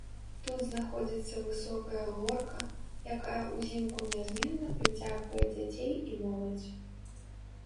Тут знаходзіцца высокая горка, якая ўзімку нязменна прыцягвае дзяцей і моладзь.